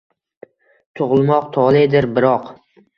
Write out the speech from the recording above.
tugʼilmoq toledir, biroq